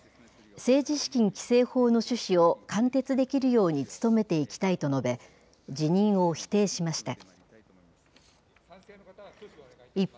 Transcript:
政治資金規正法の趣旨を貫徹できるように努めていきたいと述べ、辞任を否定しました。